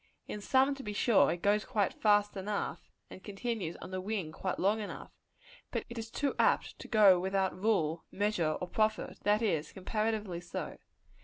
In some, to be sure, it goes quite fast enough, and continues on the wing quite long enough; but it is too apt to go without rule, measure or profit that is, comparatively so.